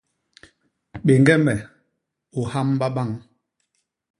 Béñge me, u hyamba bañ!